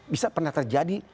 bisa pernah terjadi